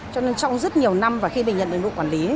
cho nên trong rất nhiều năm và khi mình nhận được nội quản lý